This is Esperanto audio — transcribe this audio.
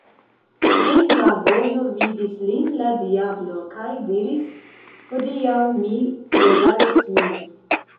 En la vojo vidis lin la diablo kaj diris: « Hodiaŭ mi regalos vin.